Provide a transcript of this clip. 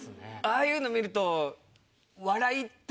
ああいうの見ると。